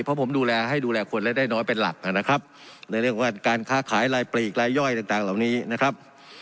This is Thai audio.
เพราะผมดูแลให้ดูแลคนและได้น้อยเป็นหลักนะครับในเรื่องของการค้าขายลายปลีกลายย่อยต่างต่างเหล่านี้นะครับ